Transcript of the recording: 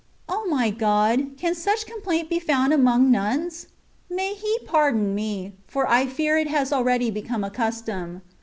O my God! can such com plaint be found among nuns? May He pardon me, for I fear it has already become a custom.